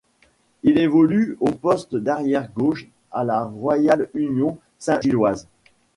Il évolue au poste d'arrière gauche à la Royale Union saint-gilloise.